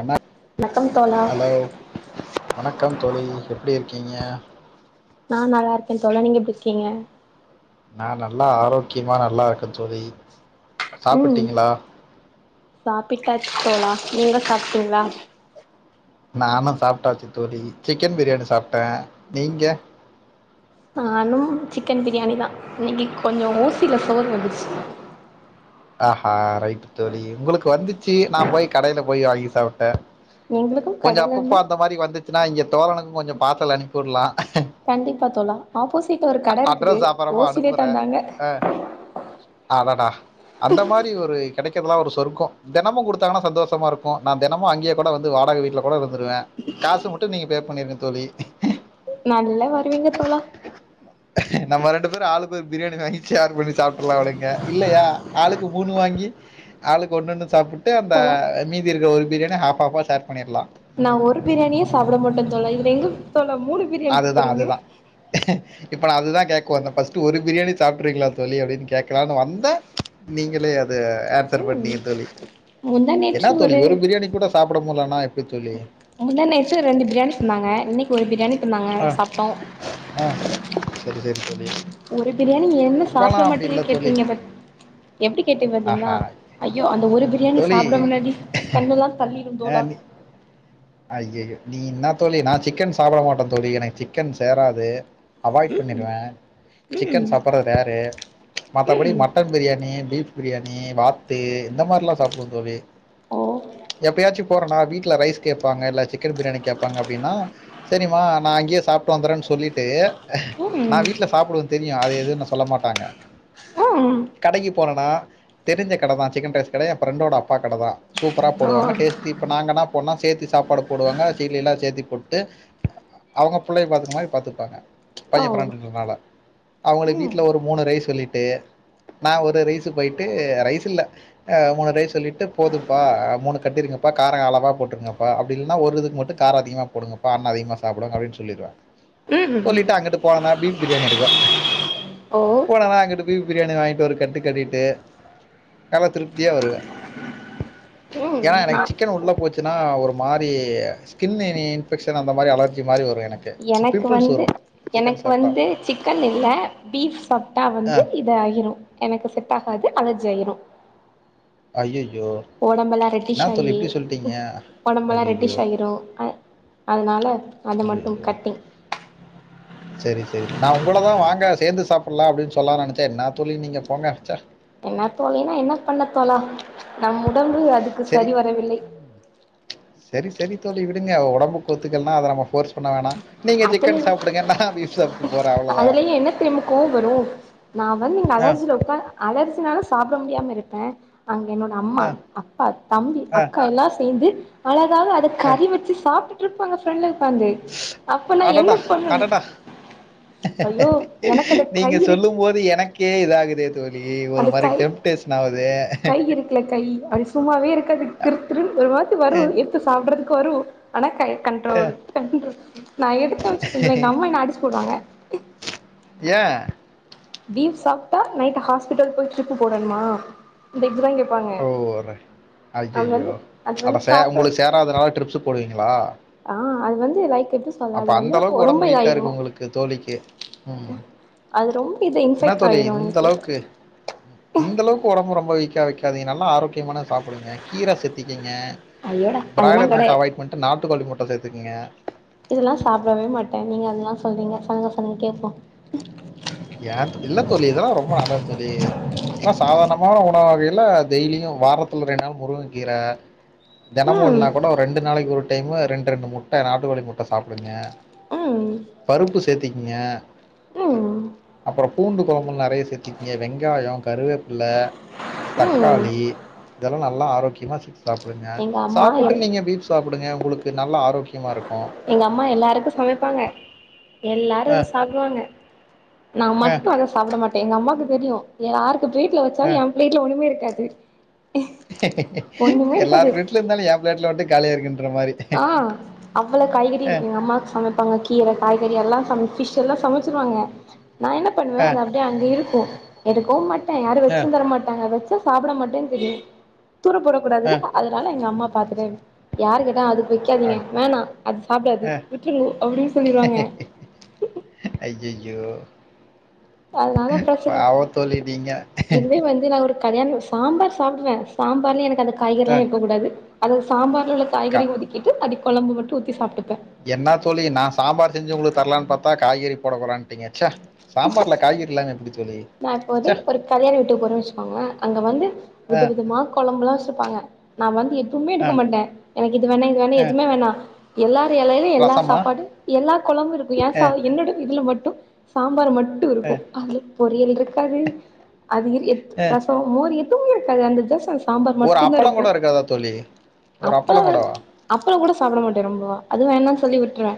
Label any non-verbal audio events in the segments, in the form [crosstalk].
என்ன வணக்கம் தோழா ஹலோ வணக்கம் தோழி எப்டி இருக்கீங்க நா நல்லா இருக்கே தோழா நீங்க எப்டி இருக்கீங்க நா நல்லா ஆரோக்கியமா நல்லா இருக்க தோழி ம் சாப்பிட்டீங்களா சாப்பிட்டாச்சு தோழா நீங்க சாப்ட்டீங்களா நானு சாப்பிட்டாச்சு தோழி சிக்கன் பிரியாணி சாப்டே நீங்க நானும் சிக்கன் பிரியாணி தா இன்னைக்கி கொஞ்ச ஓசியில சோறு வந்துச்சி ஆஹா ரைட் தோழி உங்களுக்கு வந்துச்சு நா போய் கடையில போய் வாங்கி சாப்ட்டே எங்களுக்கு கொஞ்ச அப்பப்போ கடைலந்தா அந்த மாதிரி வந்துச்சுன்னா இங்க சோழனுக்கு கொஞ்ச பார்சல் அனுப்பி விடலா கண்டிப்பா தோழா ஆப்போசிட்ல ஒரு கட இருக்குது அட்ரஸ் அப்புறமா ஓசிலே அனுப்புறே தந்தாங்க அ அடடா அந்த மாரி ஒரு கிடைக்கதெலா ஒரு சொர்க்க தெனமு குடுத்தாங்கன்னா சந்தோஷமா இருக்கு நா தினமு அங்கே கூட வந்து வாடக வீட்ல கூட இருந்துருவே காசு மட்டும் நீங்க பே பண்ணிருங்க தோழி நல்ல வருவீங்க தோழா நம்ம ரெண்டு பேரு ஆளுக்கொரு பிரியாணி வாங்கி சேர் பண்ணி சாப்ட்ரலா விடுங்க இல்லையா ஆளுக்கு மூணு வாங்கி ஆளுக்கு ஒன்னு ஒன்னு சாப்பிட்டு அந்த தோழா மீதி இருக்கிற ஒரு பிரியாணிய ஹாஃப் ஹாஃப்பா ஷேர் பண்ணிரலா நா ஒரு பிரியாணியே சாப்பிடமுடில்ல தோழா இதுல எங்க தோழா மூணு பிரியாணிக்கு அதுதா போறீங்க அதுதா இப்ப நா அதுதா கேட்க வந்தே ஃபஸ்டு ஒரு பிரியாணி சாப்பிடுருவீங்களா தோழி அப்டின்னு கேட்கலானு வந்தே நீங்களே அத ஆன்சர் ம் பண்ணீங்க தோழி முந்தா நேற்று என்ன தோழி ஒரு பிரியாணி கூட சாப்பிட முடிலன்னா எப்டி தோழி முந்தா நேற்று ரெண்டு பிரியாணி தந்தாங்க இன்னைக்கு ஒரு பிரியாணி தந்தாங்க ஆ சாப்ட்டோ ஆ சரிசரி தோழி ஒரு பிரியாணி என்ன சாப்பிட ரொம்பலாம் அப்படி இல்லை மாட்டீங்கன்னு தோழி கேட்டீங்க பட் எப்டி கேட்டிங்க அப்டின்னா ஆஹா ஐயோ அந்த ஒரு பிரியாணி தோழி சாப்பிட முன்னாடி கண்ணுல்லா தள்ளிரு தோழா அய்யய்யோ நீ என்ன தோழி நா சிக்கன் சாப்பிடமாட்டே தோழி எனக்கு சிக்கன் சேராது ம் அவாய்ட்பண்ணிருவே சிக்கன் ம் சாப்படுறது ரரு மத்தபடி ம் மட்டன் பிரியாணி பீஃப் பிரியாணி வாத்து இந்த மாரில்லா சாப்பிடுவே தோழி ஓ எப்பயாச்சு போறேனா வீட்ல ரைஸ் கேப்பாங்க இல்ல சிக்கன் பிரியாணி கேப்பாங்க அப்டின்னா சரிம்மா நா இங்கயே சாப்பிட்டு வந்துறேன்னு சொல்லிட்டு ம் நா ம் வீட்ல சாப்பிடுவே தெரியு அத எதுன்னு சொல்ல மாட்டாங்க அம் கடைக்கு போனேடா தெரிஞ்ச கடதா சிக்கன் ரைஸ் கட எ ஃப்ரெண்டோட அப்பா கடதா சூப்பரா போடுவாங்க டேஸ்ட் இப்ப நாங்க என்னா பண்ணோ சேத்து சாப்பாடு போடுவாங்க சீல் எல்லா சேத்தி போட்டு அவங்க பிள்ளய பாத்துக்குற மாரி பாத்துப்பாங்க பைய ஓ ஃப்ரெண்டுன்றனால அவங்களு ம் வீட்டுல ஒரு மூணு ரைஸ் சொல்லிட்டு நா ஒரு ரைஸூ போயிட்டு ரைஸூ இல்ல அ மூணுரைஸ் சொல்லிட்டு போதும்ப்பா மூணு கட்டிருங்கப்பா காரோ அளவா போட்டிருங்க அ அப்படி இல்லனா ஒரு இதுக்கு மட்டு காரோ அதிகமா போடுங்கப்பா அம்மா அதிகமா சாப்பிடுவாங்க அப்படின்னு சொல்லிருவே ம் சொல்லிட்டு அங்குட்டு போனேனா பீஃப் பிரியாணி இருக்கு ஓ போனேனா அங்குட்டு பீஃப் பிரியாணி வாங்கிட்டு ஒரு கட்டு கட்டிட்டு நல்லா திருப்தியா வருவே ம் ஏனா நா எனக்கு சிக்கன் உள்ள போச்சுன்னா ஒரு மாரி ஸ்கின் இனி இன்பெக்ஷன் அந்த மாரி அலர்ஜி மாரி வரு எனக்கு வந்து எனக்கு சாப்பிட்டா வந்து சிக்கன் இல்ல பீஃப் சாப்ட்டா வந்து ஆ இது ஆயிரு எனக்கு செட் ஆகாது அலர்ஜி ஆயிரு அய்யய்யோ ஒடம்பெல்லா ரெட்டிஷ் ஆயி ஒடம்பெல்லா அய்யய்யோ ரெட்டிஷ் ஆயிரு அ அதனால அது மட்டு அய்யய்யோ கட்டிங் சரி சரி நா உங்களதா வாங்க சேந்து சாப்பிட்லா அப்படின்னு சொல்லானு நெனச்சே என்ன தோழி நீங்க போங்க ச்ச என்ன தோழின்னா என்ன பண்ண தோழா நம் உடம்பு அதுக்கு சரி வரவில்லை சரி சரி தோழி விடுங்க ஒடம்புக்கு ஒத்துக்கலன்னா அத நம்ம ஃபோர்ஸ் பண்ண வேணா நீங்க அதுல சிக்கன் சாப்பிடுங்க நா பீஃப் சாப்ட்டு போறே அவ்ளோதா அதுலயு என்ன தெரியுமா கோவ வரு நா வந்து இங்க அலர்ஜியில உக்கா அலர்ஜினாலே சாப்ட முடியாம இருப்பே அங்க என்னோட அம்மா அ அப்பா தம்பி அ அக்கா எல்லா சேந்து அழகாக அத அ கறி வச்சு சாப்ட்டுட்டு இருப்பாங்க ஃப்ரெண்ட்லா உக்காந்து அப்ப நா என்ன அடடா பண்ணனு அடடா ஐயோ எனக்கு அது நீங்க கயிறு சொல்லு போது எனக்கே இதாகுதே தோழி ஒரு அது மாரி கை டெம்டேஸனா ஆவுதே கை இருக்குல கை அது சும்மாவே இருக்காது திரு திரு ஒரு மாிரி வரு சாப்பிடறதுக்கு வரு ஆனா கை கண்ட்ரோல் கண்ட்ரோல் நான் எடுத்தே வச்சுக்கங்களே எங்க அம்மா என்ன அடிச்சு போட்ருவாங்க ஏ பீர் சாப்ட்டா நைட் ஹாஸ்பிட்டல போய் ட்ரிப் போடணுமா இந்த [unintelligible] கேப்பாங்க ஓவரே அது அய்யய்யோ வந்து அது அட வந்து ச சாப்ட்ட உங்களுக்கு சேராாததுனால ட்ரிப்ஸ் போடுவீங்களா ஆஹ் அது வந்து லைக் எப்டி சொல்ல அப்ப அது அந்த வந்து அளவுக்கு ரொம்ப உடம்பு வீக்கா இதாயிரு இருக்கு உங்களுக்கு தோழிக்கு உம் அது ரொம்ப இது என்னா இன்ஃபெக்ட் தோழி ஆயிரு இந்த எனக்கு அளவுக்கு இந்தளவுக்கு உடம்பு ரொம்ப வீக்காக வைக்காதீங்க நல்லா ஆரோக்கியமானத சாப்பிடுங்க கீரை சேத்திக்கிங்க ஐயோடா அதெல்லா பிராய்லர் முட்ட கெடையாது அவாய்ட் பண்ணிட்டு நாட்டுக்கோழி முட்ட சேத்துகுங்க இதெல்லா சாப்பிடவே மாட்டே நீங்க அதெல்லா சொல்றீங்க சொல்லுங்க சொல்லுங்க கேப்போ ஏ தோ இல்ல தோழி இதெல்லா ரொம்ப நல்லது தோழி ஏன்னா சாதாரணமான உணவு வகையில டெய்லியு வாரத்துல ரெண்டு நாள் முருங்க கீர தினமு இல்லன்னா கூட ஒரு ரெண்டு நாளைக்கி ஒரு டைமு ரெண்டு ரெண்டு முட்ட நாட்டு கோழி முட்ட சாப்டுங்க ம் பருப்பு சேத்திக்கிங்க ம் அப்பறோ பூண்டு கொழம்புல நெறைய சேத்திக்கிங்க வெங்காயோ கருவேப்பில ம் ம் தக்காளி இதெல்லா நல்லா ஆரோக்கியமா சாப்டுங்க எங்க அம்மா எல் சாப்புட்டு நீங்க பீப் சாப்டுங்க உங்களுக்கு நல்லா ஆரோக்கியமா இருக்கு எங்க அம்மா எல்லாருக்கு சமைப்பாங்க எல்லாரு அத அஹ், சாப்டுவாங்க நா மட்டு அத சாப்ட மாட்டே எங்க அம்மாக்கு தெரியு யாரு ப்ளேட்ல வச்சாலு அஹ். ஏ ப்ளேட்ல ஒண்ணுமே இருக்காது ஒண்ணுமே எல்லா இருக்காது ப்ளேட்ல இருந்தாலு ஏ பிளேட்ல மட்டு காலியா இருக்குன்ற மாரி ஆ அவ்வள காய்கறி இருக்கு எங்க அம்மாக்கு சமைப் பாங்க கீர காய்கறி எல்லா சமச் ஃபிஷ் எல்லா சமைச்சிருவாங்க நா என்ன பண்ணுவே அத அஹ், அப் டியே அங்க இருக்கு எடுக்கவு மாட்டே யாரு அஹ், வச்சு தர மாட்டாங்க அத நா சாப்ட மாட்டேன்னு தெரியு தூர போடக் கூடாதுல்ல அஹ். அதனால எங்க அம்மா பாத்துட்டே யாரு கேட் டா அதுக்கு வைக்காதீங்க ஐ- வேணா அது சாப்டாது அஹ். விட்ருங்க அப்டின்னு சொல்லிருவாங்க அய்யய்யோ அதுனாலதா பிரச்சன நீங்க இதுவே வந்து நான் ஒரு கல்யாணோ சாம்பார் சாப்டுவே சாம்பார்ல எனக்கு அந்த காய்கறில்லா அஹ், இருக்கக்கூடாது அதுவு சாம்பார் ல உள்ள காய்கறி கா- ஒதிக்கிட்டு அப்டி கொழம்பு மட்டு ஊத்தி சாப்டுப்பே என்னா தோழி நா சாம்பார் செஞ்சி உங்களுக்கு தரலான் பாத்தா காய்கறி போடகூடாதுன்டீங்க சே சாம்பார்ல காய்கறி இல்லாம எப்டி தோழி நா இப்போது ச்சே ஒரு கல்யாண வீட்டுக்கு போறேன்னு வச்சுக்கோங்களே அங்க வந்து வித அஹ், விதமா கொழம்புல்லா வச்சிருப்பாங்க நா வந்து எதுமே எடுக்க அஹ், மாட்டே எனக்கு இது வேணா இது வேணா அஹ். எதுமே வேணா எல்லார் எலையிலயு எல்லா ரசமா சாப்பாடு எல்லா கொழம்பு இருக்கு ஏ சா அஹ், என்னோட இதுல மட்டு சாம்பார் மட்டு இருக்கு அதுல பொரியல் இருக்காது அது இரு எது அஹ். ரசோ மோர் எதுமே இருக்காது அந்த ஜஸ்ட் அந்த சாம்பார் ஒரு மட்டுந்தா அப்பளம் இருக்கு கூட இருக்காதா தோழி ஒரு அப்ப அப்பளம் கூடவா அப்பளங்கூட சாப்ட மாட்டே ரொம்பவா அது வேணா சொல்லி விட்ருவே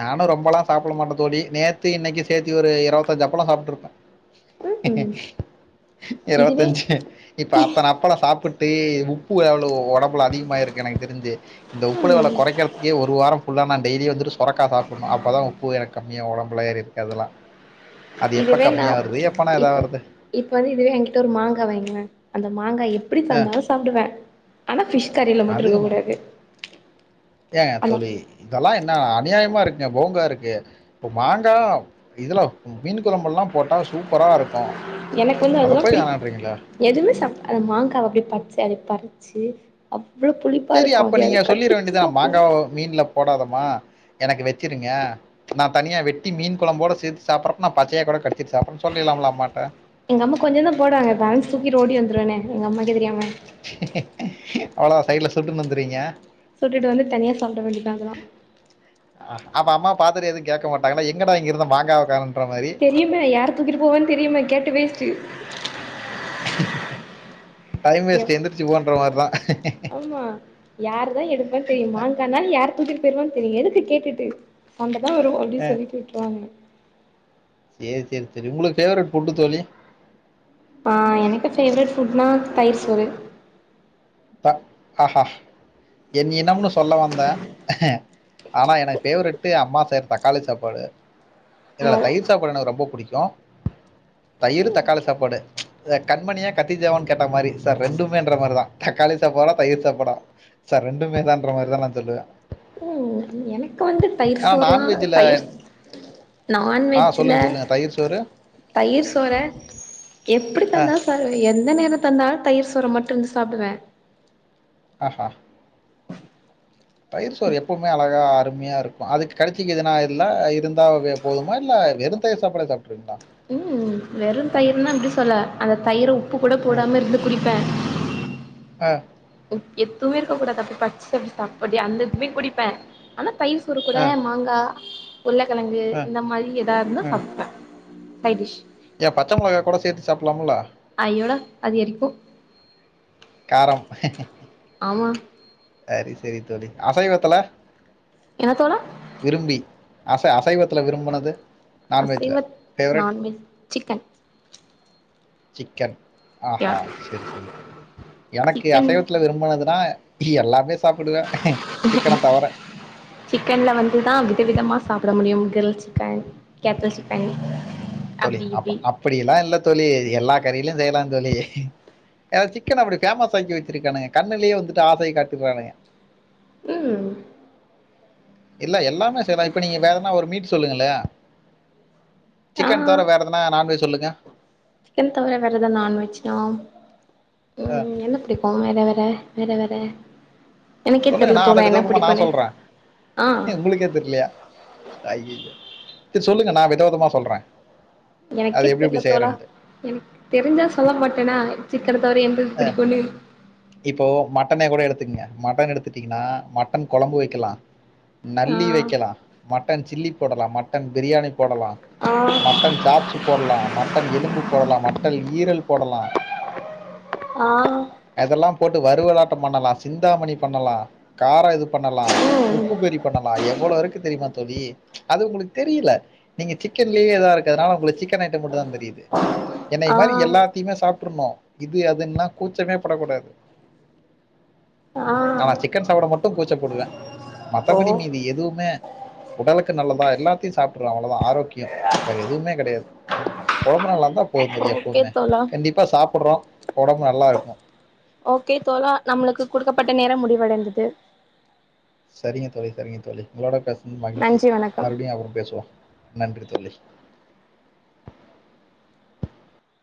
நானு ரொம்பல்லா சாப்ட மாட்டே தோழி நேத்து இன்னக்கி சேத்தி ஒரு இருவத்தஞ்சி அப்பளோ சாப்ட்டுருப்பே ம் ம் இதுவே இருவத்தஞ்சி இப்ப அத்தன அப்பளோ சாப்ட்டு உப்பு அவ்ளோ ஒடம்புல அதிகமாயிருக்கு எனக்கு தெரிஞ்சி இந்த உப்பு ம் லெவல்ல கொறைக்கறதுக்கே ஒரு வாரோ ஃபுல்லா நா டெய்லி வந்துட்டு சுரக்கா சாப்டணு அப்பதா உப்பு எனக்கு கம்மியாகு ஒடம்புல ஏறிருக்கதெல்லா அது எப்ப இதுவே நா கம்மியாவுரது எப்பனா இப்ப இதாவுரருது இப்ப வந்து இதுவே என்கிட்ட ஒரு மாங்கா வைய்ங்கலே அந்த மாங்கா எப்டி ஆ தந்தாலு சாப்டுவே ஆனா ஃபிஷ் கறில மட்டு அது இருக்க கூடாது ஏங்க ஆமா தோழி இதெல்லா என்ன அநியாயமா இருக்குங்க போங்கா இருக்கு இப்ப மாங்கா இதுல மீன் கொழம்புலல்லா போட்டா சூப்பரா இருக்கு எனக்கு வந்து அத அதெல்லா போய் பிடி வேணான்றீங்களா எதுவுமே சாப் அத மாங்காவ அப்டியே பறிச்சு அத பறிச்சி அவ்ளோ புளிப்பா சரி இருக்கு அப்ப அப்டியே அத நீங்க சொல்லிற கடிச்சி வேண்டியதுதான சாப்டுவோ மாங்காவ மீன்ல போடாதம்மா எனக்கு வச்சிருங்க நா தனியா வெட்டி மீன்கொழம்போட சேத்து சாப்ட்றப்ப நா பச்சையா கூட கடிச்சிட்டு சாப்ட்றேன்னு சொல்லிர்லாம்ல அம்மாட்ட எங்க அம்மா கொஞ்சந்தா போடுவாங்க பேலன்ஸ் தூக்கிட்டு ஓடி வந்துருவேனே எங்க அம்மாக்கே தெரியாம அவ்ளோதா சைட்ல சுட்டுன்னு வந்துர்வீங்க சுட்டுட்டு வந்து தனியா சாப்ட வேண்டிதா அதுலா அ அப்ப அம்மா பாத்துட்டு எது கேக்க மாட்டாங்லா எங்கடா இங்க இருந்த மாங்காவே காணோன்ற மாரி தெரியுமே யார் தூக்கிட்டு போவான் தெரிமே கேட்ட வேஸ்ட்டு டைம் வேஸ்ட் எந்திரிச்சு போன்ற மார்தா ஆமா யாருதா எடுப்பான் தெரியு மாங்கானால் யாரு தூக்கிட்டு போய்டுவான்னு தெரியு எதுக்கு கேட்டுட்டு ஒன்ட்டதா வரு அப்டின்னு அ சொல்லிட்டு விட்டுருவாங்க சேர் சேர் தோழி உங்களுக்கு ஃபேவரெட் ஃபுட்டு தோழி ஆ எனக்கு ஃபேவரெட் ஃபுட்னா தயிர்சோறு த ஆஹா என் இனம்னு சொல்ல வந்த ஆனா எனக் ஃபேவரெட்டு அம்மா செய்ற தக்காளி சாப்பாடு இல்லல்ல தயிர் சாப்பாடு எனக்கு ரொம்போ புடிக்கு தயிர் நோ தக்காளி சாப்பாடு அ கண்மணியா கத்திஜாவான்னு கேட்டா மாரி சார் ரெண்டுமேன்ற மார்தா தக்காளி சாப்பாடா தயிர் சாப்பாடா சே ரெண்டுமே தான்ற மாரிதா நா சொல்லுவே க்கு வந்து தயிர் சோறுலா தயிர் ஆ நான்வெஜ்ல சொல்லுங்க சொல்லுங்க தயிர் சோறு தயிர் சோற எப்டி ஆ தந்தா தாலு எந்த நேரொ தந்தாலு தயிர் சோற மட்டுந்து சாப்புடுவே ஆஹ தயிர் சோறு எப்பவுமே அழகா அருமையா இருக்கு அதுக்கு கடிச்சிக்கு எதுனா இல்லா இருந்தா வெ போதுமா இல்ல வெறு தயிர் சாப்பாடு சாப்ட்டுருவீங்ளா ம் வெறும் தயிர்னா எப்டி சொல்ல அந்த தயிர உப்பு கூட போடாம இருந்து குடிப்பே ஆ உப் எதுவுமே இருக்க கூடாது அப்பய பச்ச அப்டி சாப்புடி அந்த இதுவுமே குடிப்பே ஆனா தயிர் சோறு கூட மாங்கா உருளைக்கெழங்கு இந்த மாரி எதா இருந்தா சாப்டுவே சைடிஸ் ஏ பச்ச மொளகாய் கூட சேத்து சாப்பலாம்ல அயோடா அது எரிக்கு காரம் ஆமா சரி செரி தோழி அசைவத்துல என்ன தோழா விரும்பி அச அசைவத்துல விரும்புனது நான்வெஜ்ல அசைவ ஃபேவரெட் நான்வெஜ் சிக்கன் சிக்கன் யா ஆஹா சரி சரி தோழி எனக்கு சிக்கன் அசைவத்துல விரும்புனதுன்னா இ எல்லாமே சாப்புடுவே அ சிக்கன தவர சிக்கன்ல வந்துதா வித விதமா சாப்ட முடியும் கிரில் சிக்கன் கேத்தல் சிக்கன் தோழி அப்டி அப்ப இப்டி அப்படி எல்லா இல்ல தோழி எல்லா கறிலையு செய்யலா தோழி ஏனா சிக்கன அப்டி ஃபேமஸ் ஆக்கி வச்சிருக்கானுங்க கண்ணுேலயே வந்துட்டு ஆசைய காட்டிறானுங்க ம் இல்ல எல்லாமே செய்யலா இப்ப நீங்க வேற எதனா ஒரு மீட் சொல்லுங்களே ஆ சிக்கன் தவர வேற எதனா நான்வெஜ் சொல்லுங்க க்கன் தவர வேற எத நான்வெஜ்னா ஆ ம் என்ன புடிக்கும் வேற வேற வேற வேற எனக்கே சொல்லுங்க தெர்ல நா அத தோழா என்ன விதவிதமா நா பிடிக்குன்னு சொல்ற ஆ உங்களுக்கே தெரிலயா ஐயையோ செரி சொல்லுங்க நா விதவிதமாக சொல்ற அது எப்டி எப்டி செய்றன்ட்டு ம் தெரிஞ்சா சொல்ல மாட்டனா சிக்கன தவர எம்பது புடிக்குனு இப்போ மட்டனே கூட எடுத்துக்கங்க மட்டன் எடுத்துட்டீங்கனா மட்டன் கொழம்பு வக்கலா ஆ நல்லி வக்கலா மட்டன் சில்லி போடலா மட்டன் பிரியாணி போடலா ஆ மட்டன் சாப்ஸ் போடலா மட்டன் எலும்பு போடலா மட்டன் ஈரல் போடலா ஆ அதெல்லா போட்டு வருவலாட்ட பண்ணலா சிந்தாமணி பண்ணலா கார இது பண்ணலா ம் உப்பு கறி பண்ணலா எவ்ளோ இருக்கு தெரிமா தோழி அது உங்களுக்கு தெரியல நீங்க சிக்கன்லயே எதா இருக்கிறதுனால உங்களுக்கு சிக்கன் ஐட்ட மட்டு தா தெரியுது என்னைய ஆ மாரி எல்லாத்தையுமே சாப்ட்ருணு இது அதுன்லா கூச்சமே படக் கூடாது ஆ ஆனா சிக்கன் சாப்ட மட்டு கூச்ச படுவ ஓ மத்தபடி மீதி எதுவுமே உடலுக்கு நல்லதா எல்லாத்தையு சாப்ட்ருவ அவ்ளோதா ஆரோக்கிய வேறு எதுவுமே கெடையாது உடம்பு நல்லாருந்தா போது ஓகே எப்பவுமே தோழா கண்டிப்பாக சாப்ட்றோ உடம்பு நல்லாருக்கு ஓகே தோழா நம்மளுக்கு குடுக்கப்பட்ட நேர முடிவடைந்தது சரிங்க தோழி சரிங்க தோழி உங்களோட பேசுனது மகிழ்ச்சி நன்றி வணக்கம் மறுபடியு அப்பற பேசுவோ நன்றி தோழி